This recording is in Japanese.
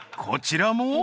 ［こちらも］